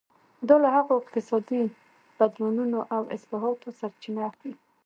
دا له هغو اقتصادي بدلونونو او اصلاحاتو سرچینه اخلي.